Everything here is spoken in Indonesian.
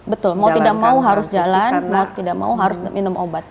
betul mau tidak mau harus jalan mau tidak mau harus minum obat